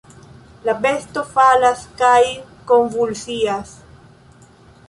La besto falas kaj konvulsias.